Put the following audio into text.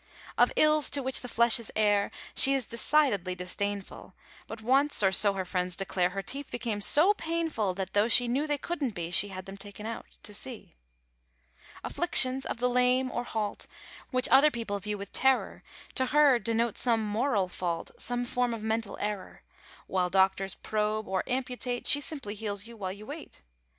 Of ills to which the flesh is heir She is decidedly disdainful; But once, or so her friends declare, Her teeth became so painful That, tho' she knew they couldn't be, She had them taken out, to see. Afflictions of the lame or halt, Which other people view with terror, To her denote some moral fault, Some form of mental error. While doctors probe or amputate, She simply heals you while you wait.